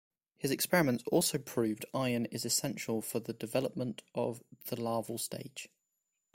His experiments also proved iron is essential for the development of the larval stage.